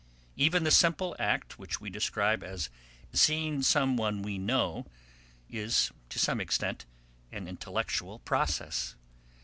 Even the simple act which we describe as "seeing some one we know" is, to some extent, an intellectual process.